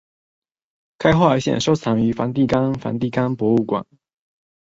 该画现收藏于梵蒂冈的梵蒂冈博物馆。